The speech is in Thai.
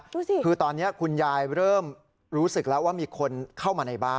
ดูสิคือตอนนี้คุณยายเริ่มรู้สึกแล้วว่ามีคนเข้ามาในบ้าน